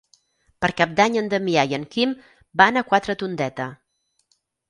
Per Cap d'Any en Damià i en Quim van a Quatretondeta.